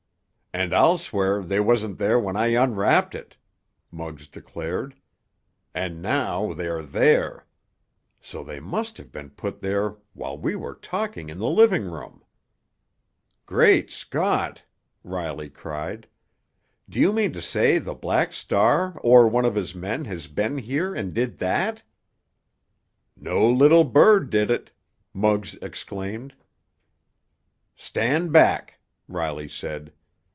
"And I'll swear they wasn't there when I unwrapped it," Muggs declared. "And now they are there! So they must have been put there while we were talking in the living room!" "Great Scott!" Riley cried. "Do you mean to say the Black Star or one of his men has been here and did that?" "No little bird did it!" Muggs exclaimed. "Stand back!" Riley said.